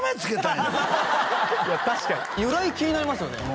いや確かに由来気になりますよね